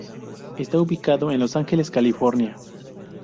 Esta ubicado en Los Angeles, California.